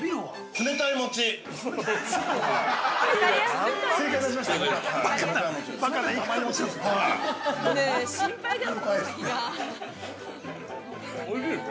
◆冷たい餅です。